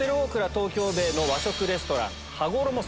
東京ベイの和食レストラン。